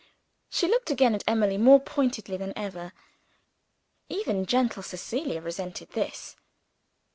She looked again at Emily, more pointedly than ever. Even gentle Cecilia resented this.